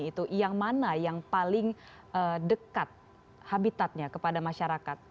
itu yang mana yang paling dekat habitatnya kepada masyarakat